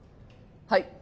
はい。